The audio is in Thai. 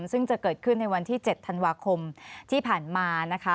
ซึ่งจะเกิดขึ้นในวันที่๗ธันวาคมที่ผ่านมานะคะ